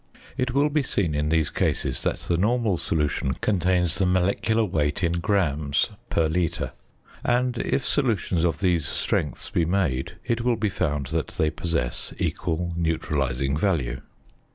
It will be seen in these cases that the normal solution contains the molecular weight in grams per litre; and, if solutions of these strengths be made, it will be found that they possess equal neutralising value.